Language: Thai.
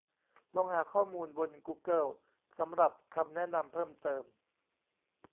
ลองหาข้อมูลบนกูเกิ้ลสำหรับคำแนะนำเพิ่มเติม